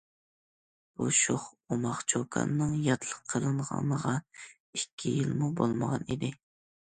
بۇ شوخ، ئوماق چوكاننىڭ ياتلىق قىلىنغىنىغا ئىككى يىلمۇ بولمىغان ئىدى.